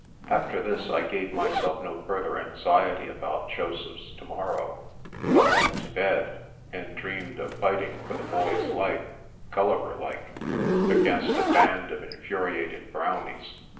After this, I gave myself no further anxiety about Joseph's to morrow, but went to bed, and dreamed of fighting for the Boy's life, Gulliver like, against a band of infuriated Brownies.